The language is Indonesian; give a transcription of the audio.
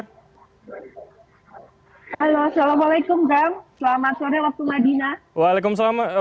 halo assalamualaikum bang selamat sore waktu madinah